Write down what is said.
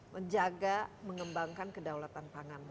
menjaga mengembangkan kedaulatan pangan